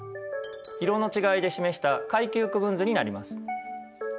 色の違いで示した階級区分図になります。